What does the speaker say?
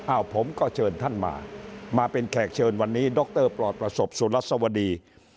ผมก็เชิญท่านมามาเป็นแขกเชิญวันนี้ดรปลอดประสบสุรัสวดี